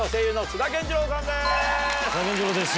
津田健次郎です